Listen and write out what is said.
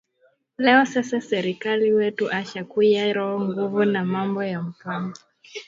Leo sasa serkali wetu asha kuya roho nguvu na mambo ya mpango